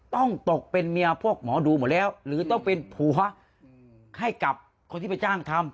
ต้องตกเป็นเมียพวกหมอดูหมดแล้วหรือต้องเป็นผัวให้กับคนที่ไปจ้างทำ